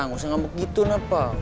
gak usah ngambek gitu napa